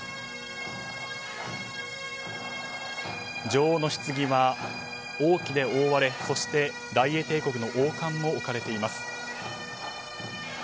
女王のひつぎは王旗で覆われそして、大英帝国の王冠も置かれています。